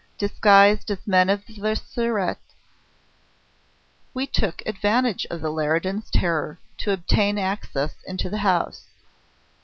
Disguised as men of the Surete, we took advantage of the Leridans' terror to obtain access into the house.